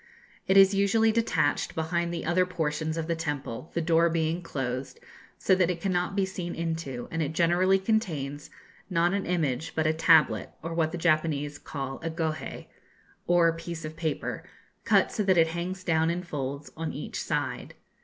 It is usually detached behind the other portions of the temple, the door being closed, so that it cannot be seen into, and it generally contains, not an image, but a tablet, or what the Japanese call a "Gohei," or piece of paper, cut so that it hangs down in folds on each side.